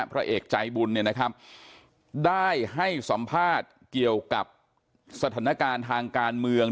พระเอกใจบุญเนี่ยนะครับได้ให้สัมภาษณ์เกี่ยวกับสถานการณ์ทางการเมือง